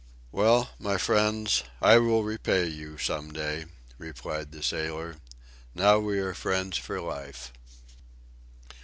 "Well, my friends, I will repay you some day," replied the sailor. "Now we are friends for life."